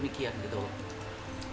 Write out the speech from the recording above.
jadi saya sangat menghargai orang orang